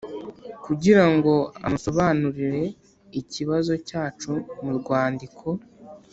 Kugira ngo amusobanurire ikibazo cyacu mu rwandiko